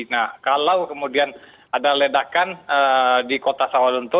nah kalau kemudian ada ledakan di kota sawalunto